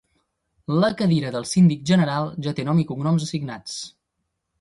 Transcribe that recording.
La cadira de síndic general ja té nom i cognoms assignats.